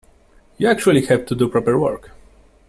You actually have to do proper work.